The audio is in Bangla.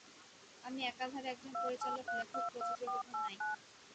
আমি একাধারে একজন পরিচালক, লেখক, প্রযোজক এবং নায়িকা।